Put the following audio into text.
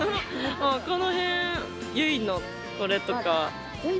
この辺ＹＵＩのこれとか。